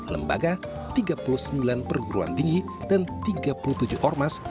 lembaga tiga puluh sembilan perguruan tinggi dan tiga puluh tujuh ormas